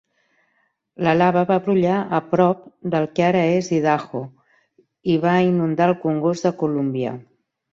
La lava va brollar a prop del que ara és Idaho i va inundar el congost de Columbia.